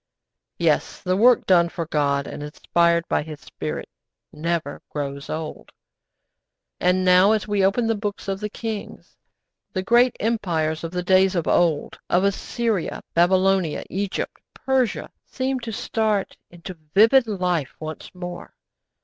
Yes, the work done for God and inspired by His Spirit never grows old. And now, as we open the books of the kings, the great empires of the days of old, of Assyria, Babylonia, Egypt, Persia, seem to start into vivid life once more.